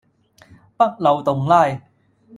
北漏洞拉